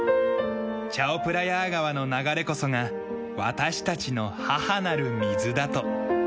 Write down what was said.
チャオプラヤー川の流れこそが私たちの母なる水だと。